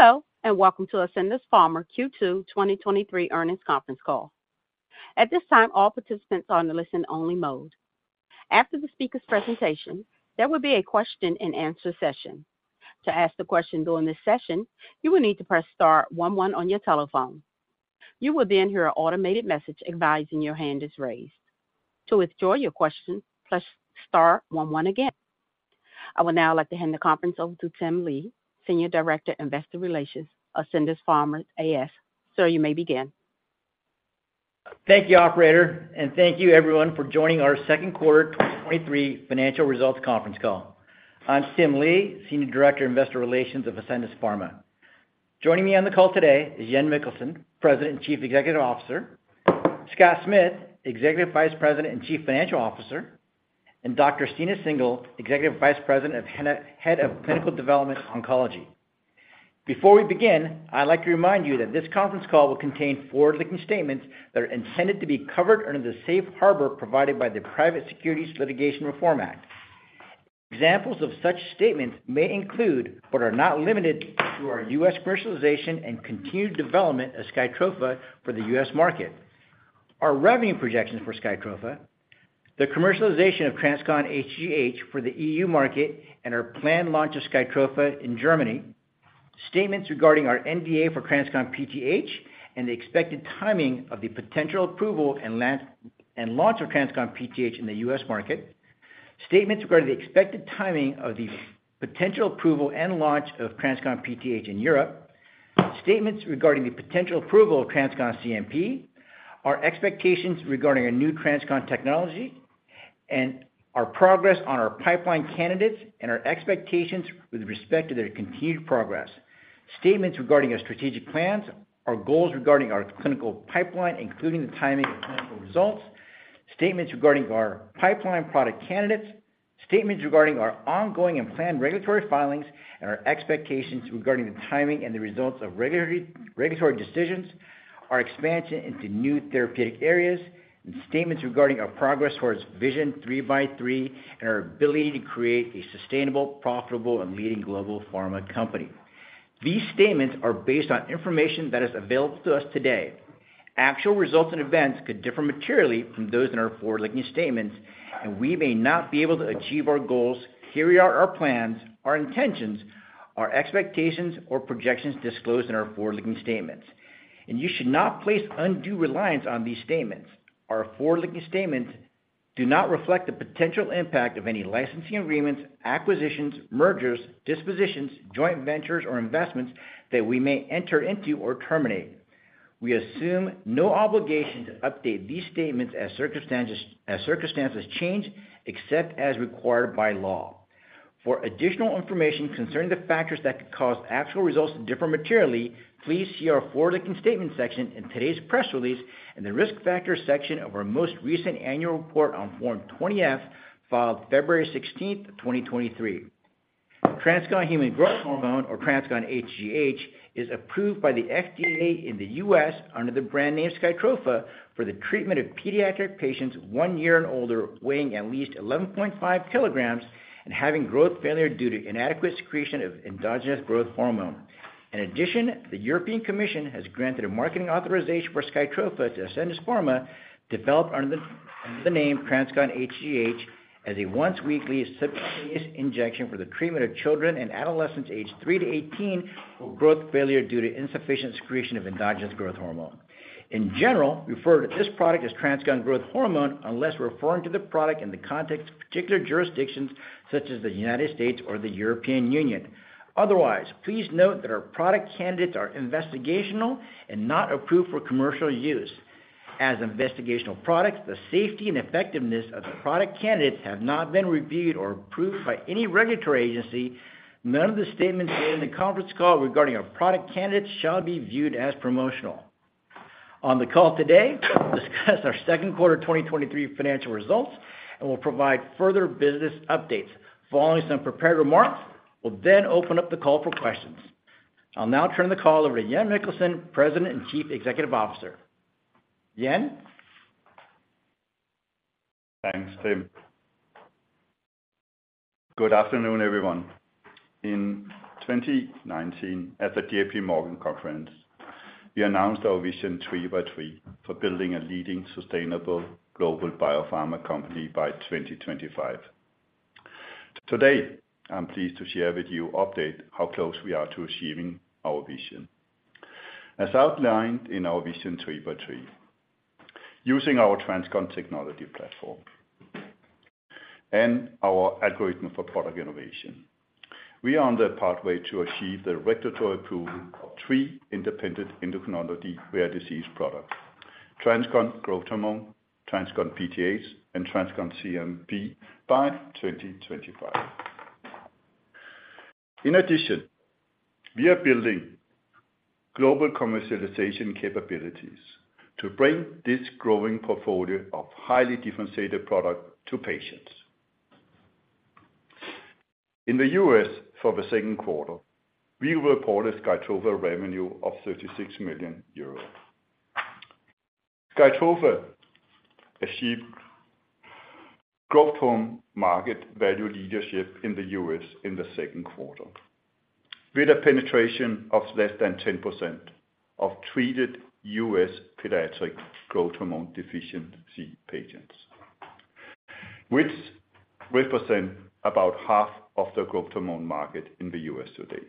Hello, and welcome to Ascendis Pharma Q2 2023 Earnings Conference Call. At this time, all participants are in listen-only mode. After the speaker's presentation, there will be a question-and-answer session. To ask the question during this session, you will need to press star one one on your telephone. You will then hear an automated message advising your hand is raised. To withdraw your question, press star one one again. I would now like to hand the conference over to Tim Lee, Senior Director, Investor Relations, Ascendis Pharma A/S. Sir, you may begin. Thank you, operator, and thank you everyone for joining our second quarter 2023 financial results conference call. I'm Tim Lee, Senior Director, Investor Relations of Ascendis Pharma. Joining me on the call today is Jan Mikkelsen, President and Chief Executive Officer; Scott Smith, Executive Vice President and Chief Financial Officer; and Dr. Stina Singel, Executive Vice President, Head of Clinical Development, Oncology. Before we begin, I'd like to remind you that this conference call will contain forward-looking statements that are intended to be covered under the safe harbor provided by the Private Securities Litigation Reform Act. Examples of such statements may include, but are not limited to, our U.S. commercialization and continued development of SKYTROFA for the U.S. market, our revenue projections for SKYTROFA, the commercialization of TransCon HGH for the E.U. market, and our planned launch of SKYTROFA in Germany. Statements regarding our NDA for TransCon PTH and the expected timing of the potential approval and launch, and launch of TransCon PTH in the U.S. market. Statements regarding the expected timing of the potential approval and launch of TransCon PTH in Europe. Statements regarding the potential approval of TransCon CNP, our expectations regarding our new TransCon technology, and our progress on our pipeline candidates and our expectations with respect to their continued progress. Statements regarding our strategic plans, our goals regarding our clinical pipeline, including the timing of clinical results. Statements regarding our pipeline product candidates. Statements regarding our ongoing and planned regulatory filings, and our expectations regarding the timing and the results of regulatory, regulatory decisions, our expansion into new therapeutic areas, and statements regarding our progress towards Vision 3x3, and our ability to create a sustainable, profitable and leading global pharma company. These statements are based on information that is available to us today. Actual results and events could differ materially from those in our forward-looking statements, and we may not be able to achieve our goals, carry out our plans, our intentions, our expectations, or projections disclosed in our forward-looking statements. And you should not place undue reliance on these statements. Our forward-looking statements do not reflect the potential impact of any licensing agreements, acquisitions, mergers, dispositions, joint ventures, or investments that we may enter into or terminate. We assume no obligation to update these statements as circumstances change, except as required by law. For additional information concerning the factors that could cause actual results to differ materially, please see our forward-looking statement section in today's press release, and the risk factors section of our most recent annual report on Form 20-F, filed February 16, 2023. TransCon Human Growth Hormone, or TransCon HGH, is approved by the FDA in the U.S. under the brand name SKYTROFA, for the treatment of pediatric patients one year and older, weighing at least 11.5 kilograms and having growth failure due to inadequate secretion of endogenous growth hormone. In addition, the European Commission has granted a marketing authorization for SKYTROFA to Ascendis Pharma, developed under the name TransCon HGH, as a once-weekly subcutaneous injection for the treatment of children and adolescents aged three to 18 with growth failure due to insufficient secretion of endogenous growth hormone. In general, refer to this product as TransCon Growth Hormone, unless we're referring to the product in the context of particular jurisdictions such as the United States or the European Union. Otherwise, please note that our product candidates are investigational and not approved for commercial use. As investigational products, the safety and effectiveness of the product candidates have not been reviewed or approved by any regulatory agency. None of the statements made in the conference call regarding our product candidates shall be viewed as promotional. On the call today, we'll discuss our second quarter 2023 financial results, and we'll provide further business updates. Following some prepared remarks, we'll then open up the call for questions. I'll now turn the call over to Jan Mikkelsen, President and Chief Executive Officer. Jan? Thanks, Tim. Good afternoon, everyone. In 2019, at the JPMorgan conference, we announced our Vision Three by Three for building a leading sustainable global biopharma company by 2025. Today, I'm pleased to share with you update how close we are to achieving our vision. As outlined in our Vision Three by Three, using our TransCon technology platform and our algorithm for product innovation, we are on the pathway to achieve the regulatory approval of three independent endocrinology rare disease products: TransCon Growth Hormone, TransCon PTH, and TransCon CNP by 2025. In addition, we are building global commercialization capabilities to bring this growing portfolio of highly differentiated products to patients. In the U.S., for the second quarter, we reported SKYTROFA revenue of 36 million euros. SKYTROFA achieved growth hormone market value leadership in the U.S. in the second quarter, with a penetration of less than 10% of treated U.S. pediatric growth hormone deficiency patients, which represent about half of the growth hormone market in the U.S. today.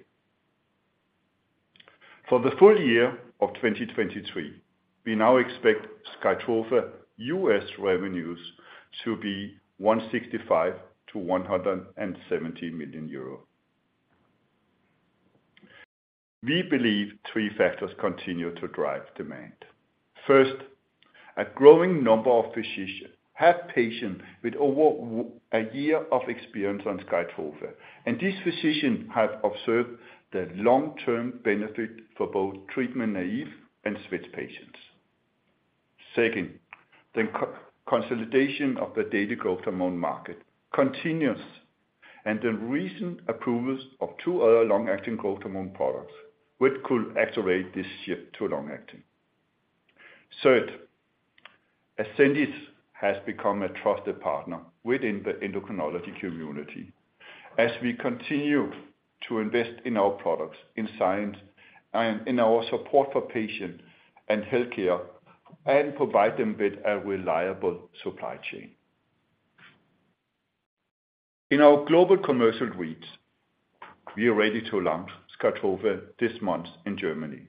For the full year of 2023, we now expect SKYTROFA U.S. revenues to be EUR 165 million-EUR 170 million. We believe three factors continue to drive demand. First, a growing number of physicians have patients with over a year of experience on SKYTROFA, and these physicians have observed the long-term benefit for both treatment-naive and switched patients. Second, the de-consolidation of the daily growth hormone market continues, and the recent approvals of two other long-acting growth hormone products, which could accelerate this shift to long-acting. Third, Ascendis has become a trusted partner within the endocrinology community as we continue to invest in our products, in science, and in our support for patients and healthcare, and provide them with a reliable supply chain. In our global commercial reach, we are ready to launch SKYTROFA this month in Germany.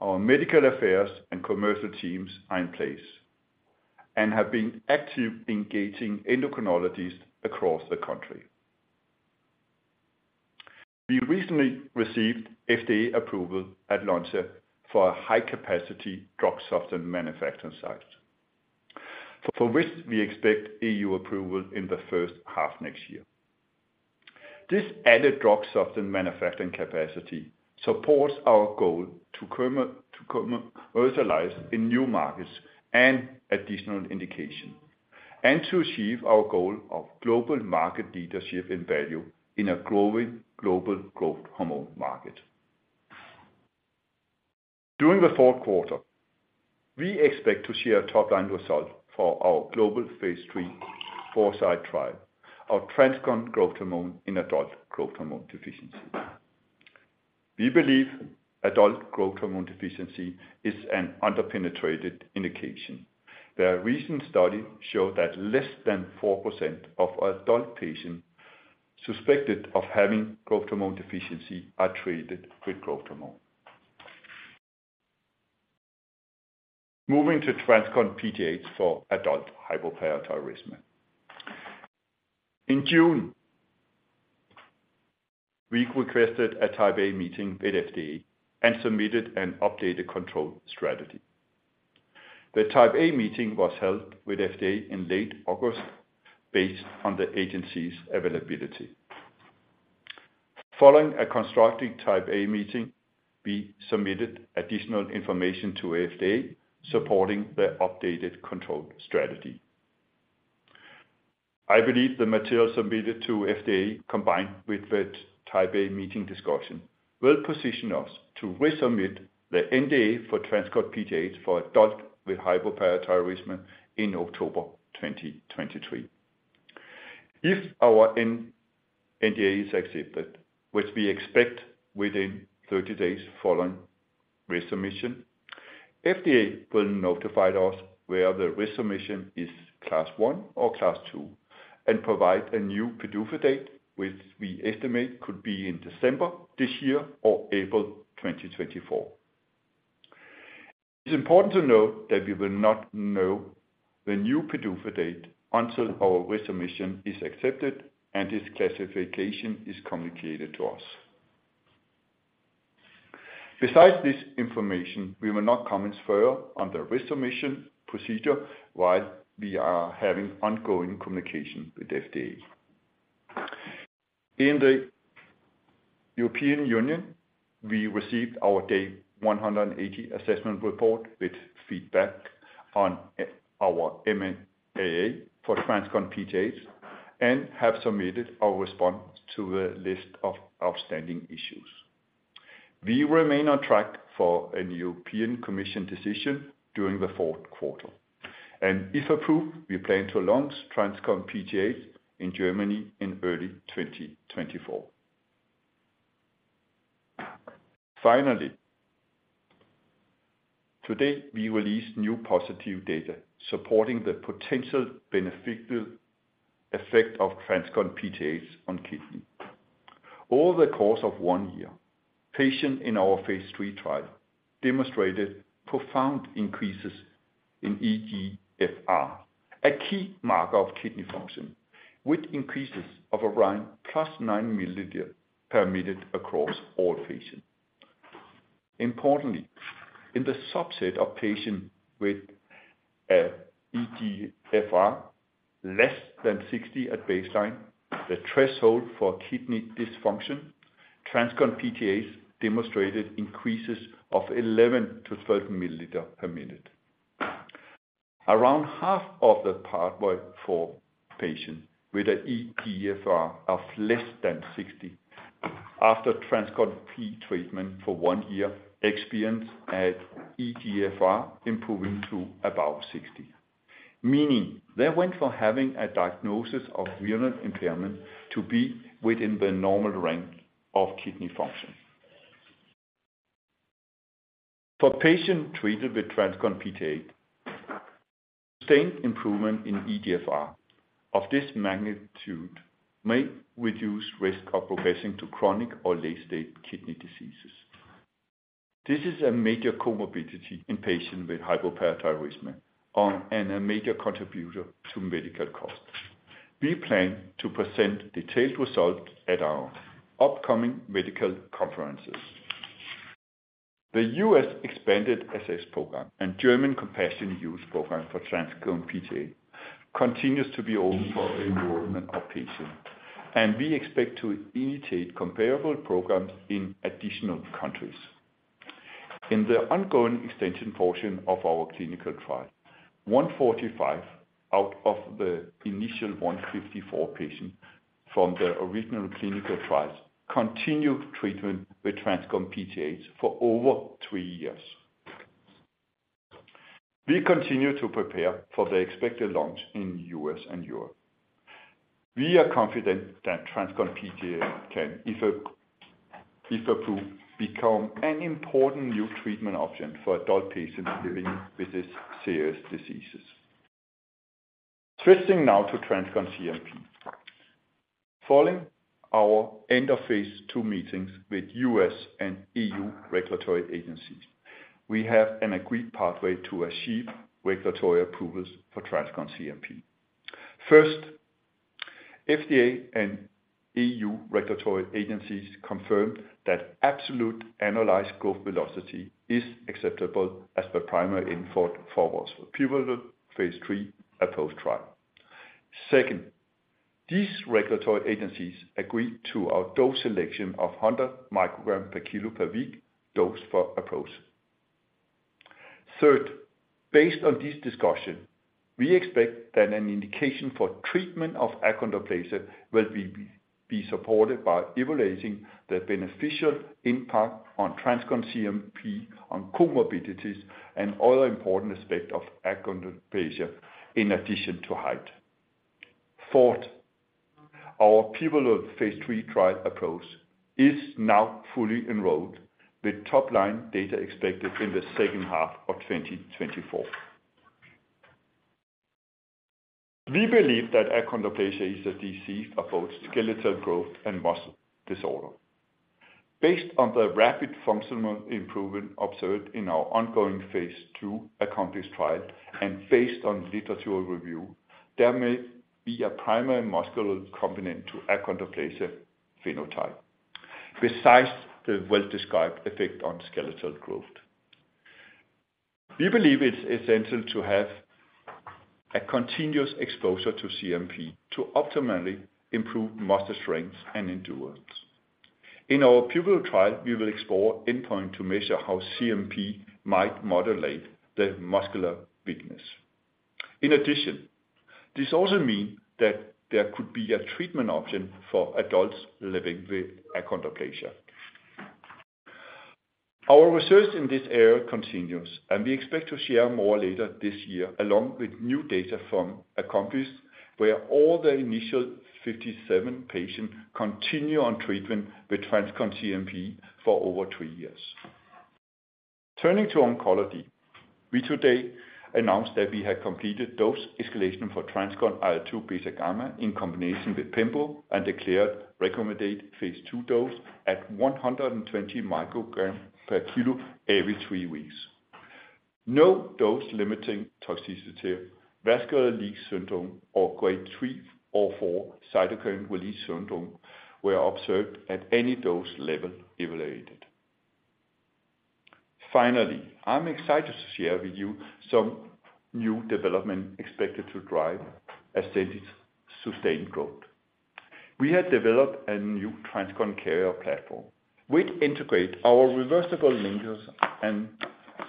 Our medical affairs and commercial teams are in place and have been actively engaging endocrinologists across the country. We recently received FDA approval at launch for a high-capacity drug substance manufacturing site, for which we expect EU approval in the first half next year. This added drug substance manufacturing capacity supports our goal to commercialize in new markets and additional indication, and to achieve our goal of global market leadership and value in a growing global growth hormone market. During the fourth quarter, we expect to share a top-line result for our global Phase III foresiGHt trial of TransCon Growth Hormone in adult growth hormone deficiency. We believe adult growth hormone deficiency is an under-penetrated indication. The recent study showed that less than 4% of adult patients suspected of having growth hormone deficiency are treated with growth hormone. Moving to TransCon PTH for adult hypoparathyroidism. In June, we requested a Type A meeting with FDA and submitted an updated control strategy. The Type A meeting was held with FDA in late August, based on the agency's availability. Following a constructive Type A meeting, we submitted additional information to FDA, supporting the updated control strategy. I believe the materials submitted to FDA, combined with the Type A meeting discussion, will position us to resubmit the NDA for TransCon PTH for adults with hypoparathyroidism in October 2023. If our NDA is accepted, which we expect within 30 days following resubmission, FDA will notify us whether the resubmission is Class one or Class two, and provide a new PDUFA date, which we estimate could be in December this year or April 2024. It's important to note that we will not know the new PDUFA date until our resubmission is accepted and its classification is communicated to us. Besides this information, we will not comment further on the resubmission procedure while we are having ongoing communication with FDA. In the European Union, we received our Day 180 assessment report with feedback on our MAA for TransCon PTH, and have submitted our response to the list of outstanding issues. We remain on track for a European Commission decision during the fourth quarter, and if approved, we plan to launch TransCon PTH in Germany in early 2024. Finally, today, we released new positive data supporting the potential beneficial effect of TransCon PTH on kidney. Over the course of one year, patients in our phase III trial demonstrated profound increases in eGFR, a key marker of kidney function, with increases of around +9 mL/min across all patients. Importantly, in the subset of patients with eGFR <60 at baseline, the threshold for kidney dysfunction, TransCon PTH demonstrated increases of 11-12 mL/min. Around half of the PATHway patients with an eGFR <60 after TransCon PTH treatment for one year experienced eGFR improving to >60. Meaning they went from having a diagnosis of renal impairment to be within the normal range of kidney function. For patients treated with TransCon PTH, sustained improvement in eGFR of this magnitude may reduce risk of progressing to chronic or late-stage kidney diseases. This is a major comorbidity in patients with hypoparathyroidism, and a major contributor to medical costs. We plan to present detailed results at our upcoming medical conferences. The U.S. Expanded Access Program and German Compassionate Use Program for TransCon PTH continues to be open for enrollment of patients, and we expect to initiate comparable programs in additional countries. In the ongoing extension portion of our clinical trial, 145 out of the initial 154 patients from the original clinical trials continued treatment with TransCon PTH for over three years. We continue to prepare for the expected launch in U.S. and Europe. We are confident that TransCon PTH can, if approved, become an important new treatment option for adult patients living with these serious diseases. Switching now to TransCon CNP. Following our end of phase II meetings with U.S. and EU regulatory agencies, we have an agreed pathway to achieve regulatory approvals for TransCon CNP. First, FDA and EU regulatory agencies confirmed that absolute annualized growth velocity is acceptable as the primary endpoint for our pivotal phase III APPROACH trial. Second, these regulatory agencies agreed to our dose selection of 100 microgram per kilo per week dose for APPROACH. Third, based on this discussion, we expect that an indication for treatment of achondroplasia will be supported by evaluating the beneficial impact of TransCon CNP on comorbidities and other important aspects of achondroplasia in addition to height. Fourth, our pivotal phase III trial APPROACH is now fully enrolled, with top-line data expected in the second half of 2024. We believe that achondroplasia is a disease of both skeletal growth and muscle disorder. Based on the rapid functional improvement observed in our ongoing phase II ACCOMPLISH trial, and based on literature review, there may be a primary muscular component to achondroplasia phenotype, besides the well-described effect on skeletal growth. We believe it's essential to have a continuous exposure to CNP to optimally improve muscle strength and endurance. In our pivotal trial, we will explore endpoint to measure how CNP might modulate the muscular weakness. In addition, this also mean that there could be a treatment option for adults living with achondroplasia. Our research in this area continues, and we expect to share more later this year, along with new data from ACCOMPLISH, where all the initial 57 patients continue on treatment with TransCon CNP for over three years. Turning to oncology, we today announced that we have completed dose escalation for TransCon IL-2 β/γ in combination with pembro, and declared recommended phase II dose at 120 microgram per kilo every three weeks. No dose-limiting toxicity, vascular leak syndrome, or grade three or four cytokine release syndrome were observed at any dose level evaluated. Finally, I'm excited to share with you some new development expected to drive Ascendis' sustained growth. We have developed a new TransCon carrier platform, which integrates our reversible linkages and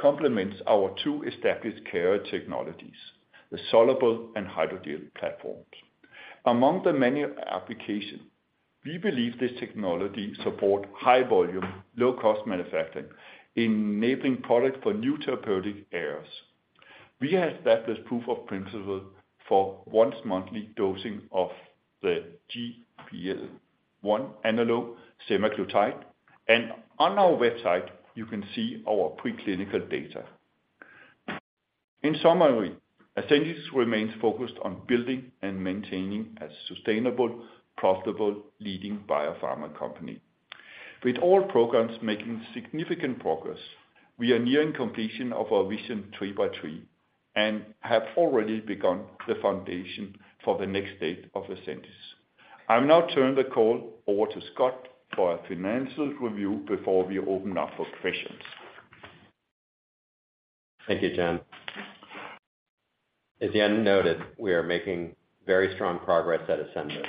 complements our two established carrier technologies, the soluble and hydrogel platforms. Among the many applications, we believe this technology supports high volume, low cost manufacturing, enabling products for new therapeutic areas. We have established proof of principle for once-monthly dosing of the GLP-1 analog, semaglutide, and on our website, you can see our preclinical data. In summary, Ascendis remains focused on building and maintaining a sustainable, profitable, leading biopharma company. With all programs making significant progress, we are nearing completion of our Vision 3x3, and have already begun the foundation for the next stage of Ascendis. I'll now turn the call over to Scott for a financial review before we open up for questions. Thank you, Jan. As Jan noted, we are making very strong progress at Ascendis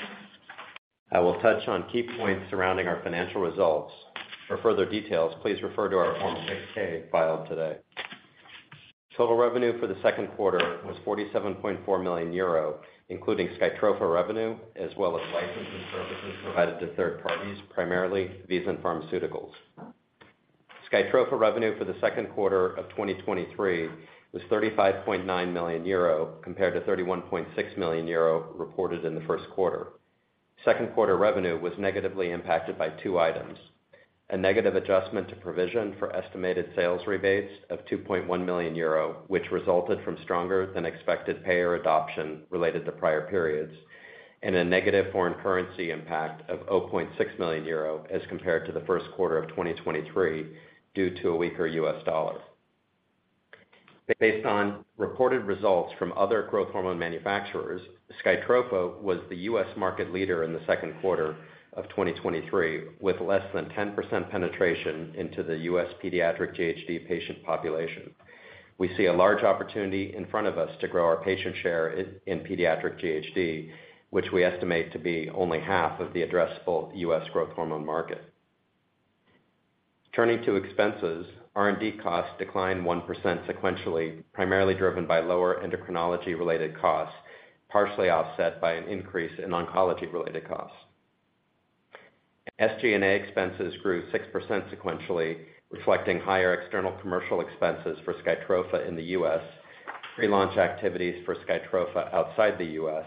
Pharma. I will touch on key points surrounding our financial results. For further details, please refer to our Form 8-K filed today. Total revenue for the second quarter was 47.4 million euro, including SKYTROFA revenue, as well as license and services provided to third parties, primarily ViiV and VISEN Pharmaceuticals. SKYTROFA revenue for the second quarter of 2023 was 35.9 million euro, compared to 31.6 million euro reported in the first quarter. Second quarter revenue was negatively impacted by two items, a negative adjustment to provision for estimated sales rebates of 2.1 million euro, which resulted from stronger than expected payer adoption related to prior periods, and a negative foreign currency impact of 0.6 million euro as compared to the first quarter of 2023, due to a weaker U.S. dollar. Based on reported results from other growth hormone manufacturers, SKYTROFA was the U.S. market leader in the second quarter of 2023, with less than 10% penetration into the U.S. pediatric GHD patient population. We see a large opportunity in front of us to grow our patient share in pediatric GHD, which we estimate to be only half of the addressable U.S. growth hormone market. Turning to expenses, R&D costs declined 1% sequentially, primarily driven by lower endocrinology-related costs, partially offset by an increase in oncology-related costs. SG&A expenses grew 6% sequentially, reflecting higher external commercial expenses for SKYTROFA in the U.S., pre-launch activities for SKYTROFA outside the U.S.,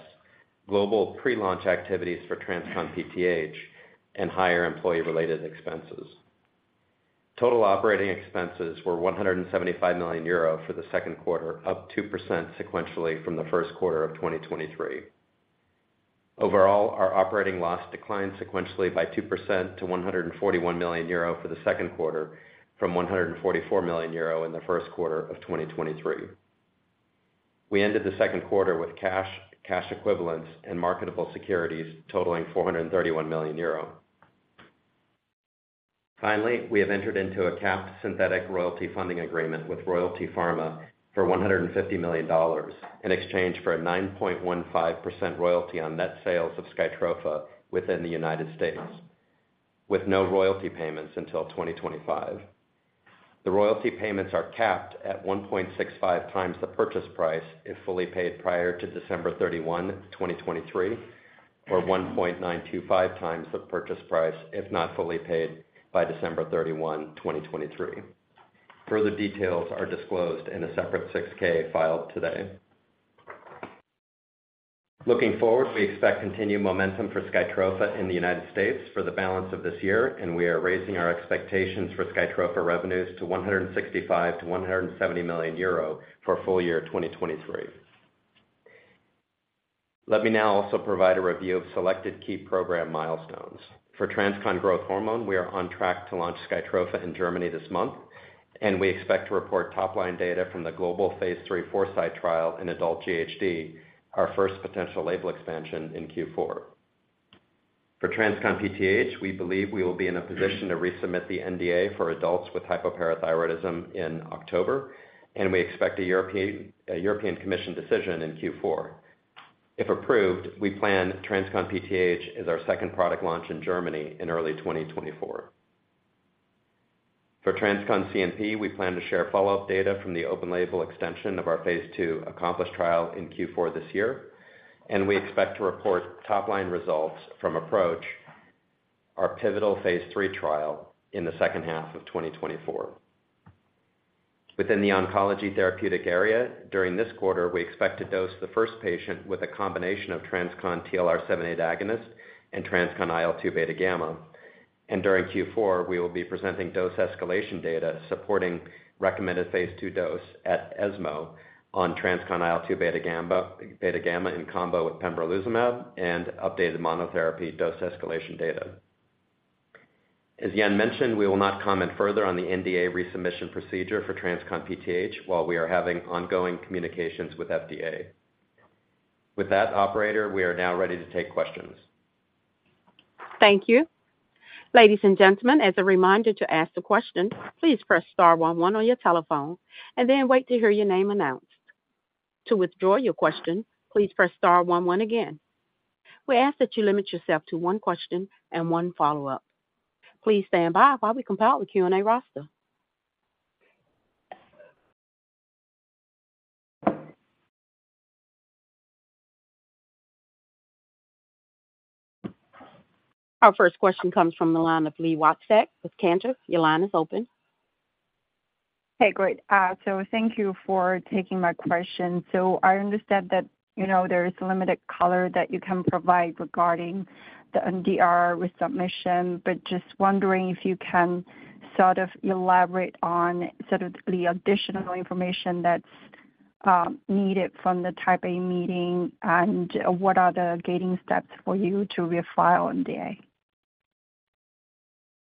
global pre-launch activities for TransCon PTH, and higher employee-related expenses. Total operating expenses were 175 million euro for the second quarter, up 2% sequentially from the first quarter of 2023. Overall, our operating loss declined sequentially by 2% to 141 million euro for the second quarter, from 144 million euro in the first quarter of 2023. We ended the second quarter with cash, cash equivalents, and marketable securities totaling 431 million euro. Finally, we have entered into a capped synthetic royalty funding agreement with Royalty Pharma for $150 million, in exchange for a 9.15% royalty on net sales of SKYTROFA within the United States, with no royalty payments until 2025. The royalty payments are capped at 1.65 times the purchase price, if fully paid prior to December 31, 2023, or 1.925 times the purchase price, if not fully paid by December 31, 2023. Further details are disclosed in a separate 6-K filed today. Looking forward, we expect continued momentum for SKYTROFA in the United States for the balance of this year, and we are raising our expectations for SKYTROFA revenues to 165 million-170 million euro for full year 2023. Let me now also provide a review of selected key program milestones. For TransCon Growth Hormone, we are on track to launch SKYTROFA in Germany this month, and we expect to report top-line data from the global phase III foresiGHt trial in adult GHD, our first potential label expansion in Q4. For TransCon PTH, we believe we will be in a position to resubmit the NDA for adults with hypoparathyroidism in October, and we expect a European Commission decision in Q4. If approved, we plan TransCon PTH as our second product launch in Germany in early 2024. For TransCon CNP, we plan to share follow-up data from the open label extension of our phase II ACCOMPLISH trial in Q4 this year, and we expect to report top-line results from APPROACH, our pivotal phase III trial, in the second half of 2024. Within the oncology therapeutic area, during this quarter, we expect to dose the first patient with a combination of TransCon TLR7/8 agonist and TransCon IL-2 beta gamma. And during Q4, we will be presenting dose escalation data supporting recommended phase two dose at ESMO on TransCon IL-2 beta gamma in combo with pembrolizumab and updated monotherapy dose escalation data. As Jan mentioned, we will not comment further on the NDA resubmission procedure for TransCon PTH while we are having ongoing communications with FDA. With that, operator, we are now ready to take questions. Thank you. Ladies and gentlemen, as a reminder to ask a question, please press star one one on your telephone and then wait to hear your name announced. To withdraw your question, please press star one one again. We ask that you limit yourself to one question and one follow-up. Please stand by while we compile the Q&A roster. Our first question comes from the line of Li Watsek with Cantor. Your line is open. Hey, great. So thank you for taking my question. So I understand that, you know, there is limited color that you can provide regarding the NDA resubmission, but just wondering if you can sort of elaborate on sort of the additional information that's needed from the Type A meeting and what are the gating steps for you to refile NDA?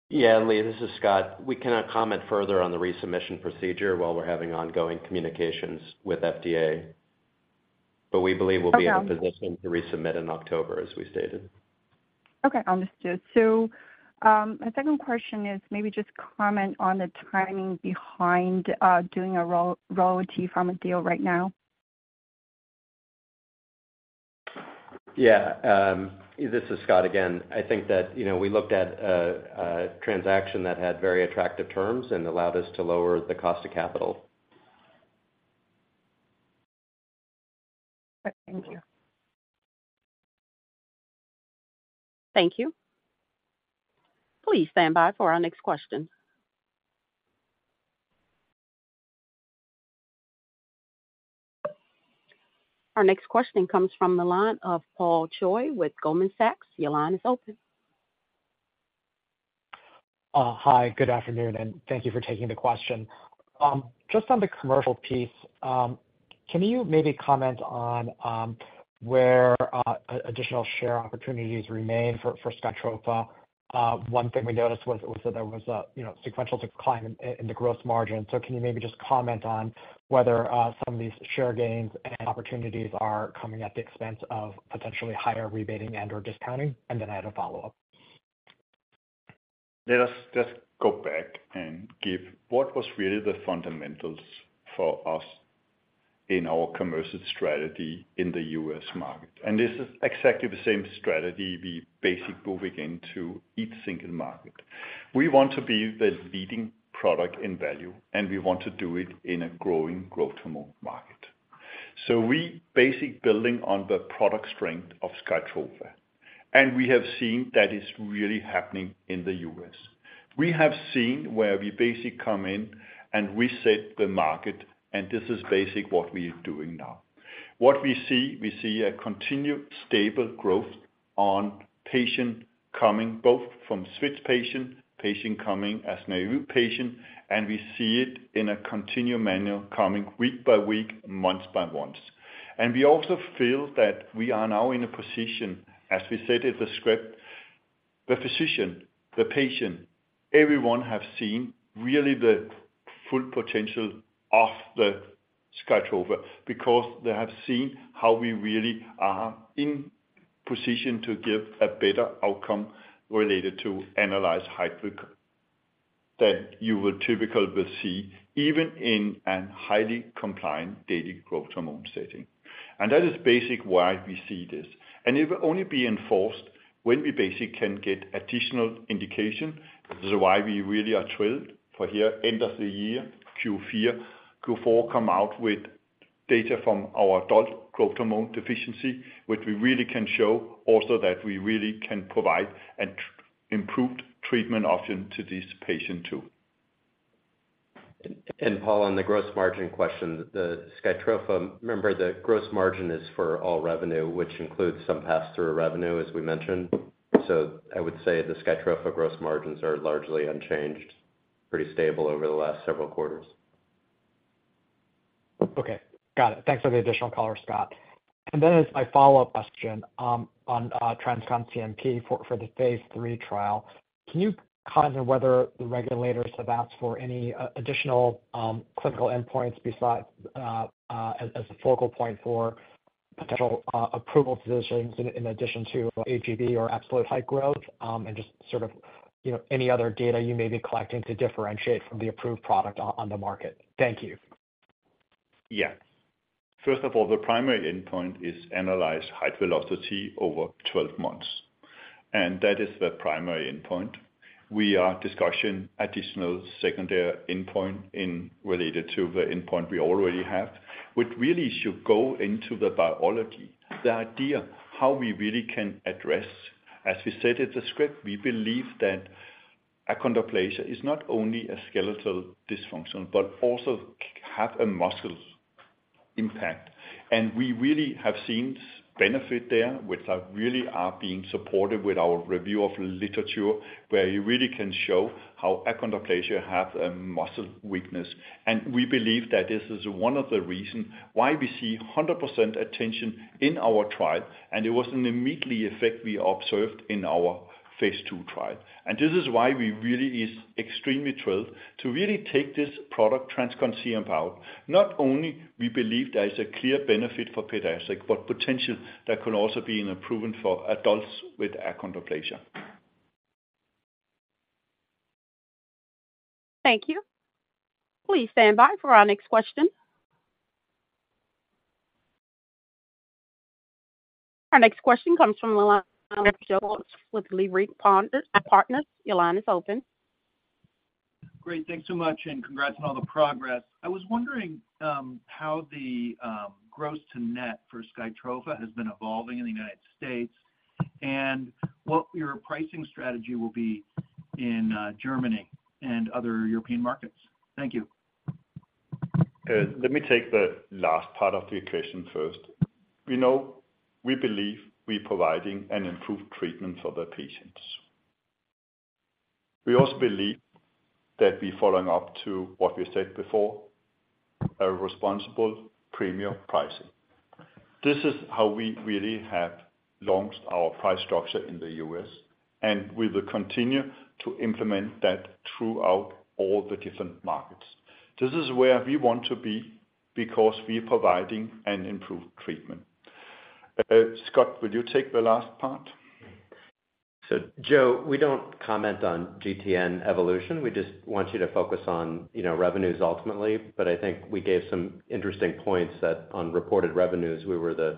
Yeah, Lee, this is Scott. We cannot comment further on the resubmission procedure while we're having ongoing communications with FDA. But we believe we'll be- Okay. in a position to resubmit in October, as we stated. Okay, understood. So, my second question is maybe just comment on the timing behind doing a Royalty Pharma deal right now.... Yeah, this is Scott again. I think that, you know, we looked at a transaction that had very attractive terms and allowed us to lower the cost of capital. Thank you. Thank you. Please stand by for our next question. Our next question comes from the line of Paul Choi with Goldman Sachs. Your line is open. Hi, good afternoon, and thank you for taking the question. Just on the commercial piece, can you maybe comment on where additional share opportunities remain for SKYTROFA? One thing we noticed was that there was a, you know, sequential decline in the growth margin. So can you maybe just comment on whether some of these share gains and opportunities are coming at the expense of potentially higher rebating and/or discounting? And then I had a follow-up. Let us just go back and give what was really the fundamentals for us in our commercial strategy in the U.S. market. This is exactly the same strategy we basically moving into each single market. We want to be the leading product in value, and we want to do it in a growing growth hormone market. We basically building on the product strength of SKYTROFA, and we have seen that is really happening in the U.S.. We have seen where we basically come in and we set the market, and this is basically what we are doing now. What we see, we see a continued stable growth on patient coming, both from switch patient, patient coming as a new patient, and we see it in a continuous manner coming week by week, month by month. We also feel that we are now in a position, as we said in the script, the physician, the patient, everyone have seen really the full potential of the SKYTROFA because they have seen how we really are in position to give a better outcome related to annualized height than you would typically will see, even in a highly compliant daily growth hormone setting. That is basically why we see this, and it will only be reinforced when we basically can get additional indication. This is why we really are thrilled for here, end of the year, Q4, Q4, come out with data from our adult growth hormone deficiency, which we really can show also that we really can provide an improved treatment option to these patients too. Paul, on the gross margin question, the SKYTROFA, remember, the gross margin is for all revenue, which includes some pass-through revenue, as we mentioned. So I would say the SKYTROFA gross margins are largely unchanged, pretty stable over the last several quarters. Okay. Got it. Thanks for the additional color, Scott. And then as my follow-up question, on TransCon CNP for the phase III trial, can you comment on whether the regulators have asked for any additional clinical endpoints besides, as a focal point for potential approval positions in addition to HGB or absolute height growth, and just sort of, you know, any other data you may be collecting to differentiate from the approved product on the market? Thank you. Yeah. First of all, the primary endpoint is analyze height velocity over 12 months, and that is the primary endpoint. We are discussing additional secondary endpoint in relation to the endpoint we already have, which really should go into the biology. The idea how we really can address, as we said in the script, we believe that achondroplasia is not only a skeletal dysfunction, but also have a muscle impact. And we really have seen benefit there, which are really being supported with our review of literature, where you really can show how achondroplasia have a muscle weakness. And we believe that this is one of the reason why we see 100% retention in our trial, and it was an immediate effect we observed in our phase II trial. And this is why we really is extremely thrilled to really take this product, TransCon CNP out. Not only we believe there is a clear benefit for pediatric, but potential that could also be an improvement for adults with Achondroplasia. Thank you. Please stand by for our next question. Our next question comes from the line of Joe with Leerink Partners. Your line is open. Great. Thanks so much, and congrats on all the progress. I was wondering, how the gross to net for SKYTROFA has been evolving in the United States, and what your pricing strategy will be in, Germany and other European markets. Thank you. Let me take the last part of the question first. We know we believe we're providing an improved treatment for the patients. We also believe that we following up to what we said before, a responsible premium pricing. This is how we really have launched our price structure in the U.S., and we will continue to implement that throughout all the different markets. This is where we want to be because we are providing an improved treatment. Scott, will you take the last part?... So Joe, we don't comment on GTN evolution. We just want you to focus on, you know, revenues ultimately. But I think we gave some interesting points that on reported revenues, we were the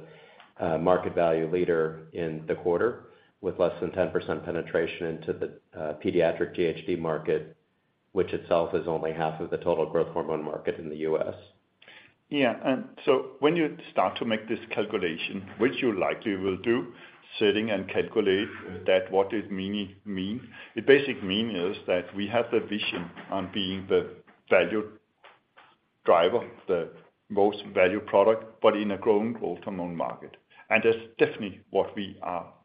market value leader in the quarter, with less than 10% penetration into the pediatric GHD market, which itself is only half of the total growth hormone market in the U.S.. Yeah, and so when you start to make this calculation, which you likely will do, sitting and calculate that, what it mean? It basically means that we have the vision on being the value driver, the most value product, but in a growing growth hormone market. That's definitely what we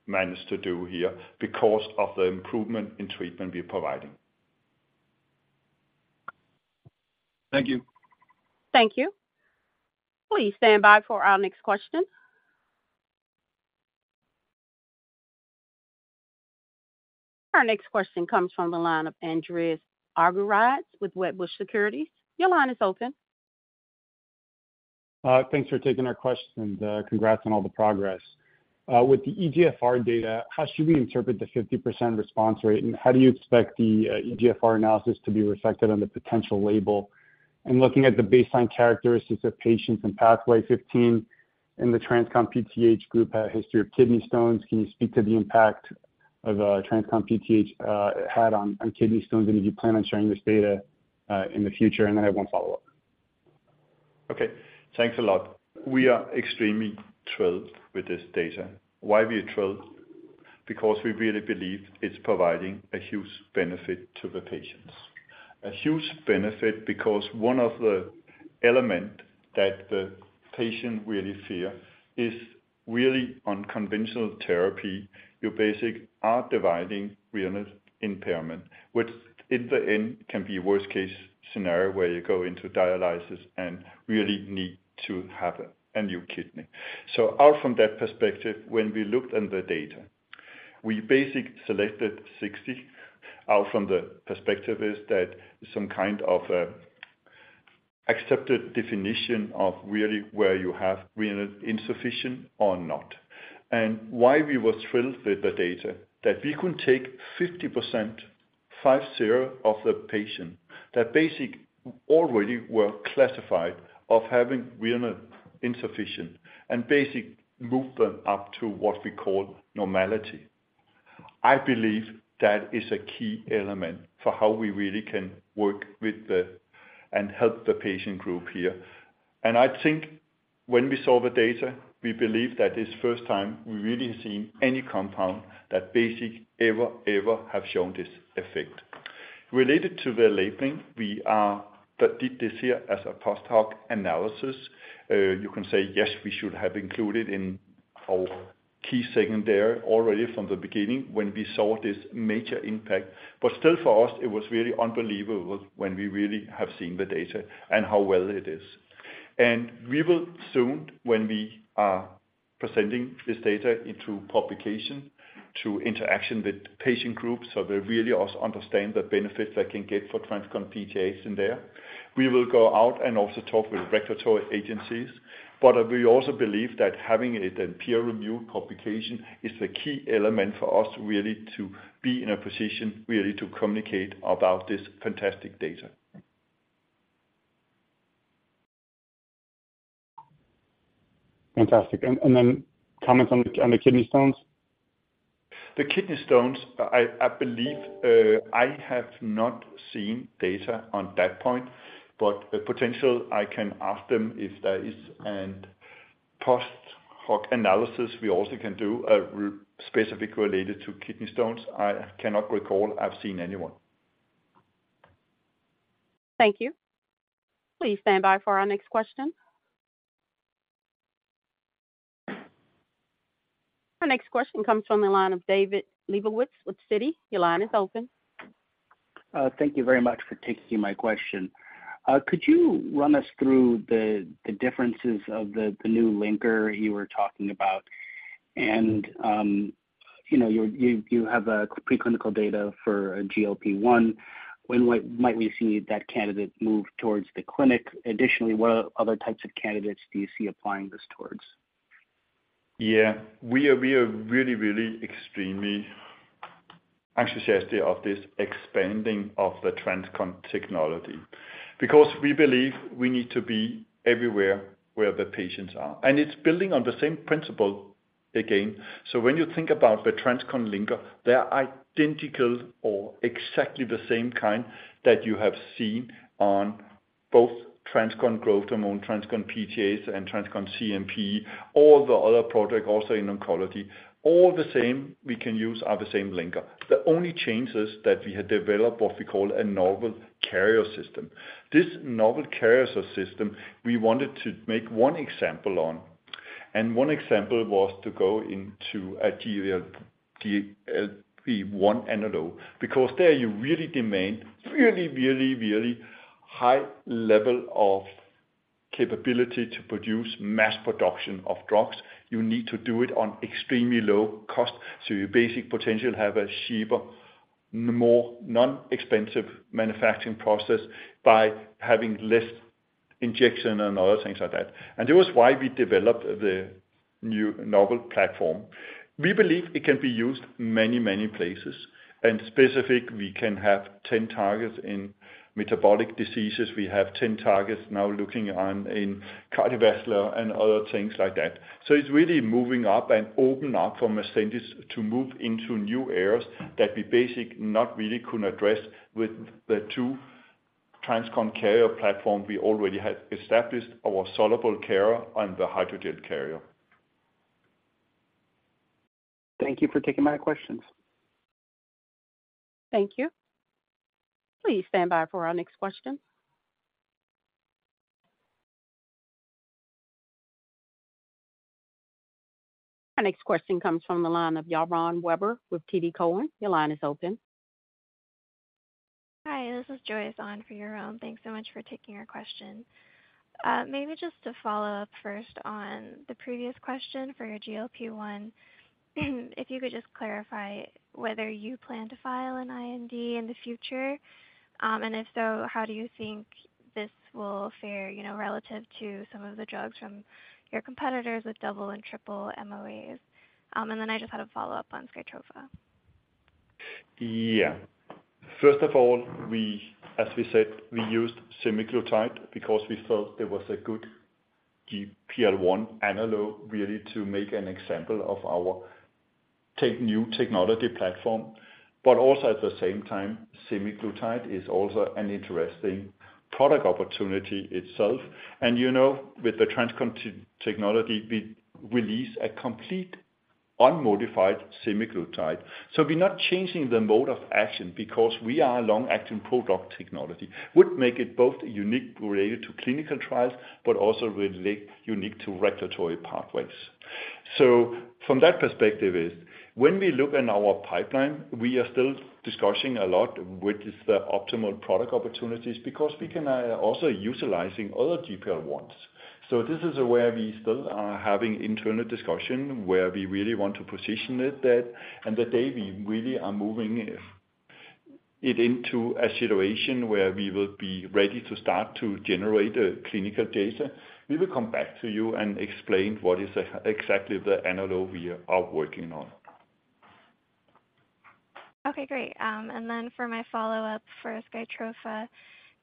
managed to do here because of the improvement in treatment we're providing. Thank you. Thank you. Please stand by for our next question. Our next question comes from the line of Andreas Argyrides with Wedbush Securities. Your line is open. Thanks for taking our question, and congrats on all the progress. With the eGFR data, how should we interpret the 50% response rate, and how do you expect the eGFR analysis to be reflected on the potential label? In looking at the baseline characteristics of patients in PATHway 15 in the TransCon PTH group, history of kidney stones, can you speak to the impact of TransCon PTH had on kidney stones, and if you plan on sharing this data in the future? I have one follow-up. Okay, thanks a lot. We are extremely thrilled with this data. Why are we thrilled? Because we really believe it's providing a huge benefit to the patients. A huge benefit because one of the element that the patient really fear is really on conventional therapy, you basically are driving renal impairment, which in the end, can be worst case scenario, where you go into dialysis and really need to have a new kidney. So from that perspective, when we looked on the data, we basically selected 60 from the perspective is that some kind of accepted definition of really where you have renal insufficiency or not. And why we were thrilled with the data, that we could take 50%, 50, of the patient that basically already were classified of having renal insufficiency, and basically move them up to what we call normality. I believe that isna key element for how we really can work with the, and help the patient group here. And I think when we saw the data, we believe that this first time we've really seen any compound that basic ever, ever have shown this effect. Related to the labeling, we are, that did this here as a post-hoc analysis. You can say, yes, we should have included in our key segment there already from the beginning when we saw this major impact. But still, for us, it was really unbelievable when we really have seen the data and how well it is. And we will soon, when we are presenting this data into publication, to interaction with patient groups, so they really also understand the benefits they can get for TransCon PTH in there. We will go out and also talk with regulatory agencies, but we also believe that having it in peer-reviewed publication is the key element for us really to be in a position really to communicate about this fantastic data. Fantastic. And then comments on the kidney stones? The kidney stones, I believe, I have not seen data on that point, but potentially I can ask them if there is a post-hoc analysis we also can do, specifically related to kidney stones. I cannot recall I've seen anyone. Thank you. Please stand by for our next question. Our next question comes from the line of David Lebowitz with Citi. Your line is open. Thank you very much for taking my question. Could you run us through the differences of the new linker you were talking about? And, you know, you have preclinical data for a GLP-1. When might we see that candidate move towards the clinic? Additionally, what other types of candidates do you see applying this towards? Yeah, we are, we are really, really extremely enthusiastic of this expanding of the TransCon technology, because we believe we need to be everywhere, where the patients are. And it's building on the same principle again. So when you think about the TransCon linker, they are identical or exactly the same kind that you have seen on both TransCon Growth Hormone, TransCon PTH, and TransCon CNP, all the other products also in oncology. All the same we can use are the same linker. The only changes that we have developed, what we call a novel carrier system. This novel carrier system, we wanted to make one example on, and one example was to go into a GLP-1 analog, because there you really demand really, really, really high level of capability to produce mass production of drugs. You need to do it on extremely low cost, so you basically potentially have a cheaper, more non-expensive manufacturing process by having less injection and other things like that. And this was why we developed the new novel platform. We believe it can be used many, many places, and specifically, we can have 10 targets in metabolic diseases. We have 10 targets now looking into in cardiovascular and other things like that. So it's really moving up and open up for Ascendis to move into new areas that we basically not really could address with the two TransCon carrier platform we already had established, our soluble carrier and the hydrogel carrier. Thank you for taking my questions. Thank you. Please stand by for our next question. Our next question comes from the line of Yaron Werber with TD Cowen. Your line is open. Hi, this is Joy on for Yaron. Thanks so much for taking our question. Maybe just to follow up first on the previous question for your GLP-1, if you could just clarify whether you plan to file an IND in the future, and if so, how do you think this will fare, you know, relative to some of the drugs from your competitors with double and triple MOAs? And then I just had a follow-up on SKYTROFA. Yeah. First of all, we—as we said, we used semaglutide because we thought it was a good GLP-1 analog, really, to make an example of our tech, new technology platform, but also at the same time, semaglutide is also an interesting product opportunity itself. And, you know, with the TransCon technology, we release a complete unmodified semaglutide. So we're not changing the mode of action because we are a long-acting product technology, would make it both unique related to clinical trials, but also really unique to regulatory pathways. So from that perspective is, when we look in our pipeline, we are still discussing a lot, which is the optimal product opportunities, because we can also utilizing other GLP-1s. So this is where we still are having internal discussion, where we really want to position it that, and the day we really are moving it into a situation where we will be ready to start to generate a clinical data. We will come back to you and explain what is exactly the analog we are working on. Okay, great. And then for my follow-up for SKYTROFA,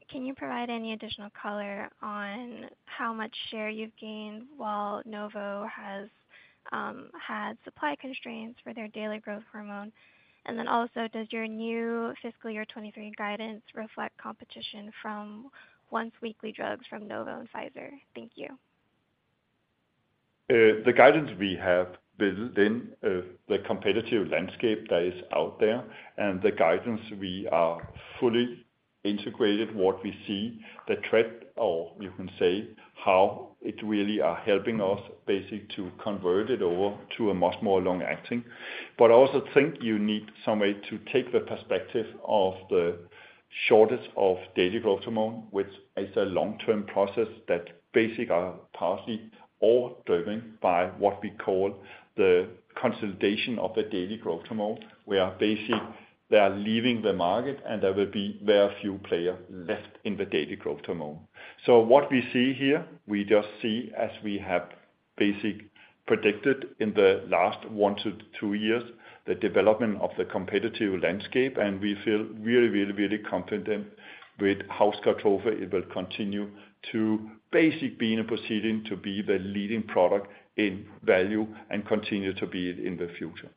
can you provide any additional color on how much share you've gained while Novo has had supply constraints for their daily growth hormone? And then also, does your new fiscal year 2023 guidance reflect competition from once-weekly drugs from Novo and Pfizer? Thank you. The guidance we have built in, the competitive landscape that is out there and the guidance we are fully integrated, what we see, the trend or you can say, how it really are helping us basically to convert it over to a much more long-acting. But I also think you need some way to take the perspective of the shortage of daily growth hormone, which is a long-term process that basically are partly all driven by what we call the consolidation of the daily growth hormone, where basically they are leaving the market, and there will be very few players left in the daily growth hormone. So what we see here, we just see as we have basically predicted in the last one-two years, the development of the competitive landscape, and we feel really, really, really confident with how SKYTROFA will continue to basically be in a position to be the leading product in value and continue to be in the future.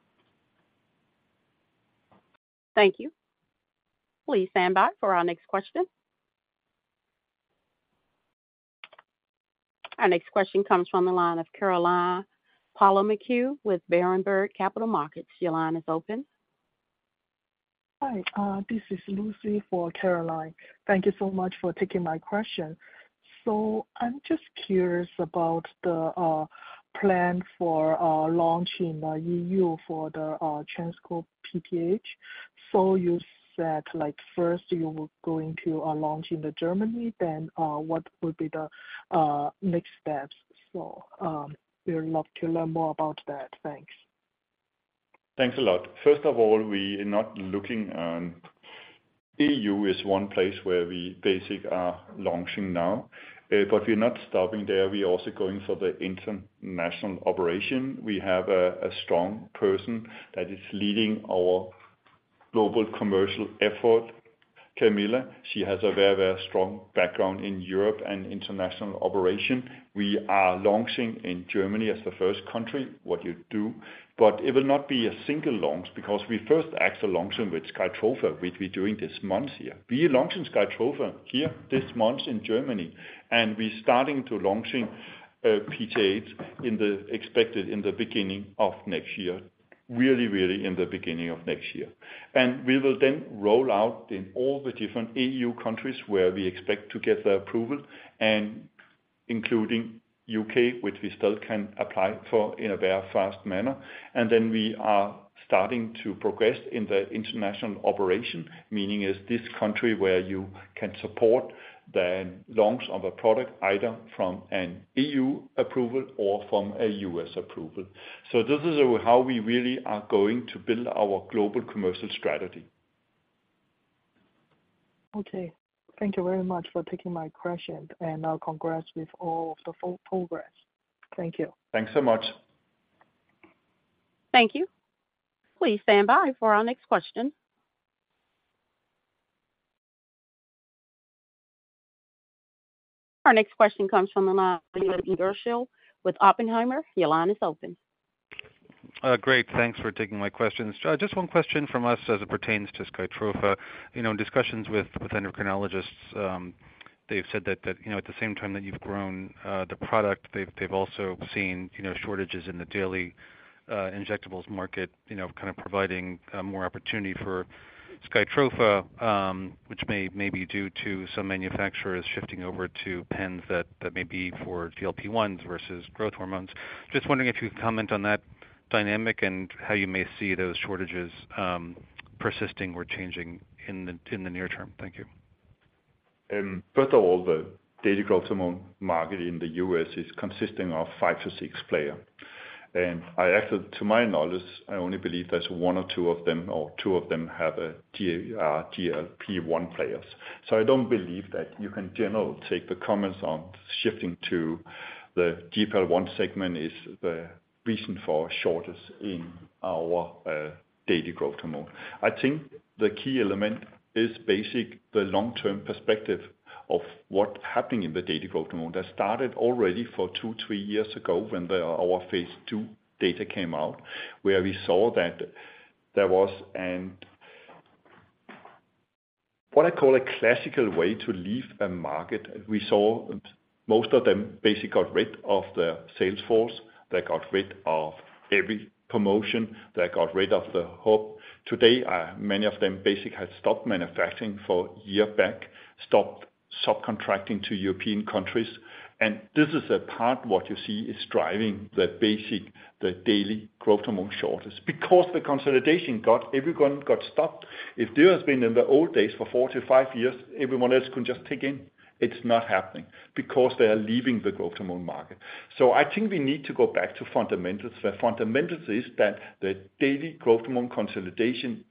Thank you. Please stand by for our next question. Our next question comes from the line of Caroline Palomeque with Berenberg Capital Markets. Your line is open. Hi, this is Lucy for Caroline. Thank you so much for taking my question. So I'm just curious about the plan for launching in the EU for the TransCon PTH. So you said, like, first you were going to launch in Germany, then what would be the next steps? So, we would love to learn more about that. Thanks. Thanks a lot. First of all, we are not looking on... EU is one place where we basically are launching now, but we're not stopping there. We are also going for the international operation. We have a strong person that is leading our global commercial effort, Camilla. She has a very, very strong background in Europe and international operation. We are launching in Germany as the first country, what you do, but it will not be a single launch because we first actually launched with SKYTROFA, which we're doing this month here. We are launching SKYTROFA here this month in Germany, and we're starting to launching PTH expected in the beginning of next year. Really, really in the beginning of next year. We will then roll out in all the different EU countries where we expect to get the approval, and including U.K., which we still can apply for in a very fast manner. We are starting to progress in the international operation, meaning is this country where you can support the launch of a product, either from an EU approval or from a U.S. approval. This is how we really are going to build our global commercial strategy. Okay, thank you very much for taking my question, and, congrats with all of the progress. Thank you. Thanks so much. Thank you. Please stand by for our next question. Our next question comes from the line of Leland Gershell with Oppenheimer. Your line is open. Great, thanks for taking my questions. Just one question from us as it pertains to SKYTROFA. You know, in discussions with endocrinologists, they've said that you know, at the same time that you've grown the product, they've also seen you know, shortages in the daily injectables market, you know, kind of providing more opportunity for SKYTROFA, which may be due to some manufacturers shifting over to pens that may be for GLP-1s versus growth hormones. Just wondering if you'd comment on that dynamic and how you may see those shortages persisting or changing in the near term. Thank you. First of all, the daily growth hormone market in the U.S. is consisting of five-six players. And I actually, to my knowledge, I only believe there's one or two of them, or two of them have a GH-GLP-1 players. So I don't believe that you can generally take the comments on shifting to the GLP-1 segment is the reason for shortage in our daily growth hormone. I think the key element is basically the long-term perspective of what's happening in the daily growth hormone. That started already for two-three years ago when our phase II data came out, where we saw that there was an... what I call a classical way to leave a market. We saw most of them basically got rid of their sales force. They got rid of every promotion. They got rid of the hub. Today, many of them basically have stopped manufacturing for year back, stopped subcontracting to European countries. This is a part what you see is driving the basic, the daily growth hormone shortage, because the consolidation got, everyone got stopped. If there has been in the old days for four to five years, everyone else can just take in. It's not happening because they are leaving the growth hormone market. I think we need to go back to fundamentals. The fundamentals is that the daily growth hormone consolidation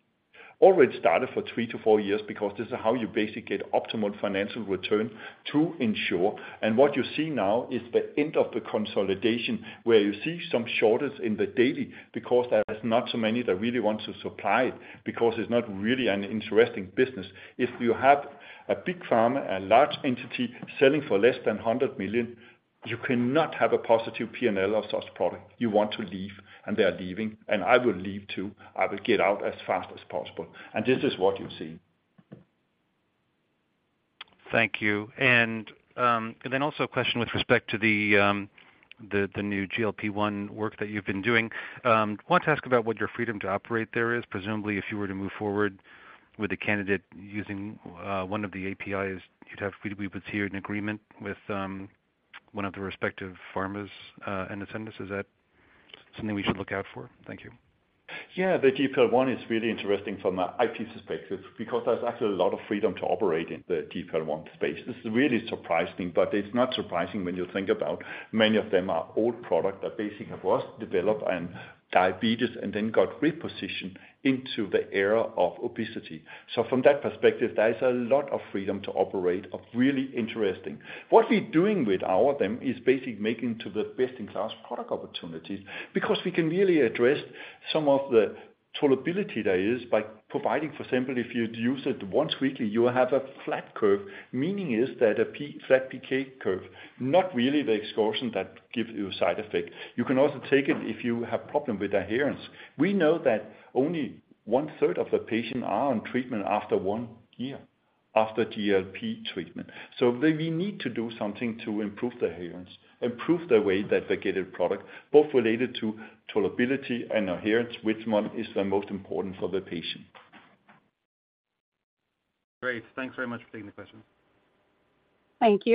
already started for three to four years because this is how you basically get optimal financial return to ensure. What you see now is the end of the consolidation, where you see some shortage in the daily, because there is not so many that really want to supply it, because it's not really an interesting business. If you have a big pharma, a large entity, selling for less than 100 million, you cannot have a positive P&L of such product. You want to leave, and they are leaving, and I will leave, too. I will get out as fast as possible, and this is what you're seeing. Thank you. And then also a question with respect to the new GLP-1 work that you've been doing. Want to ask about what your freedom to operate there is. Presumably, if you were to move forward with a candidate using one of the APIs, you'd have to be with you in agreement with one of the respective pharmas in attendance. Is that something we should look out for? Thank you. Yeah, the GLP-1 is really interesting from an IP perspective because there's actually a lot of freedom to operate in the GLP-1 space. This is really surprising, but it's not surprising when you think about many of them are old product that basically was developed and diabetes and then got repositioned into the era of obesity. So from that perspective, there is a lot of freedom to operate, of really interesting. What we're doing with our them, is basically making to the best-in-class product opportunities, because we can really address some of the tolerability there is by providing, for example, if you use it once weekly, you will have a flat curve. Meaning is that a flat PK curve, not really the excursion that gives you a side effect. You can also take it if you have problem with adherence. We know that only one-third of the patient are on treatment after one year, after GLP treatment. So we need to do something to improve the adherence, improve the way that they get a product, both related to tolerability and adherence, which one is the most important for the patient. Great. Thanks very much for taking the question. Thank you.